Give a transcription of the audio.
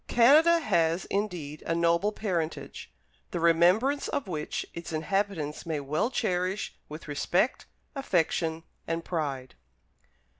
Canada has, indeed, a noble parentage, the remembrance of which its inhabitants may well cherish with respect, affection, and pride.